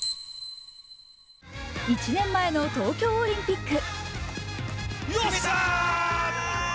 １年前の東京オリンピック。